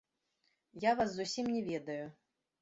Я вас зусім не ведаю.